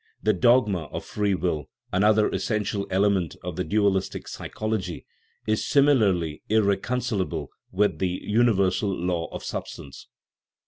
The dogma of " free will," another essential element of the dualistic psychology, is simi larly irreconcilable with the universal law of substance.